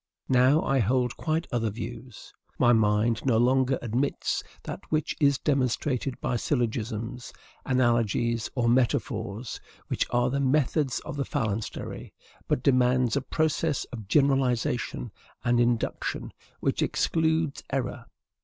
Now I hold quite other views. My mind no longer admits that which is demonstrated by syllogisms, analogies, or metaphors, which are the methods of the phalanstery, but demands a process of generalization and induction which excludes error.